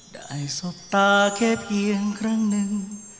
สบตาแค่เพียงครั้งหนึ่ง